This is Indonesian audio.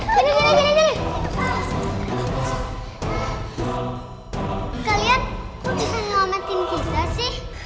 kalian kenapa nge mometin kita sih